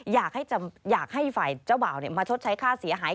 อยากให้ฝ่ายเจ้าบ่าวมาชดใช้ค่าเสียหาย